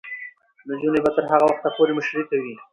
نجونې به تر هغه وخته پورې مشري کوي.